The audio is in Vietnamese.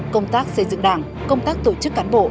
công tác xây dựng đảng công tác tổ chức cán bộ